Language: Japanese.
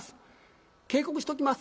警告しときます。